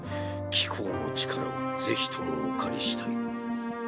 貴公の力を是非ともお借りしたい。